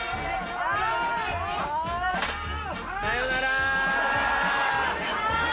さよなら。